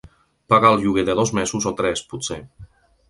Pagar el lloguer de dos mesos o tres, potser.